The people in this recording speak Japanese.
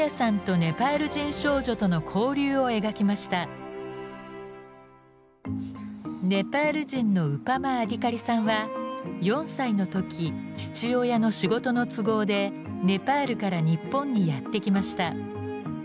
ネパール人のウパマ・アディカリさんは４歳の時父親の仕事の都合でネパールから日本にやって来ました。